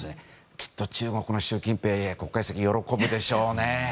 きっと中国の習近平国家主席は喜ぶでしょうね。